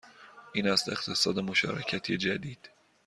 این است اقتصاد مشارکتی جدید